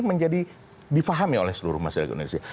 menjadi difahami oleh seluruh masyarakat indonesia